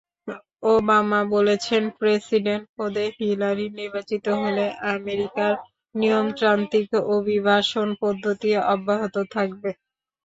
Obama বলেছেন, president পদে Hillary নির্বাচিত হলে আমেরিকার নিয়মতান্ত্রিক অভিবাসন-পদ্ধতি অব্যাহত থাকবে।